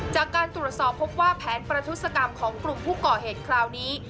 จากการตรวจสอบพบว่าแผนประทุศกรรมของกลุ่มผู้ก่อเหตุคราวนี้